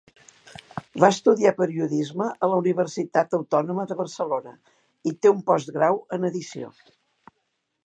Va estudiar Periodisme a la Universitat Autònoma de Barcelona i té un postgrau en Edició.